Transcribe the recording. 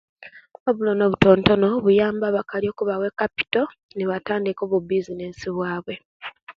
Obulooni obutontono buyamba abakali kubawa ekapitol, nibatandiika obubizinesi bwabwe.